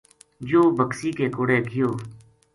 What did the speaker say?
یوہ بکسی کے کوڑے گیو